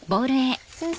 先生